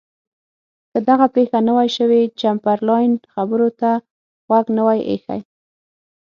که دغه پېښه نه وای شوې چمبرلاین خبرو ته غوږ نه وای ایښی.